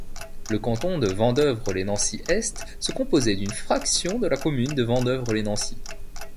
Le canton de Vandœuvre-lès-Nancy-Est se composait d'une fraction de la commune de Vandœuvre-lès-Nancy.